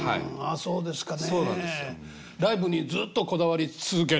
そうですね。